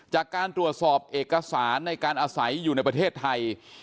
จากการตรวจสอบเอกสารในการอาศัยอยู่ในประเทศไทย